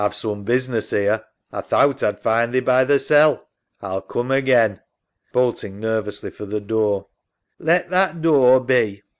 A've soom business 'ere. A thowt A'd find thee by thysel'. A'll coom again. [Bolting nervously for the door. SARAH. Let that door be.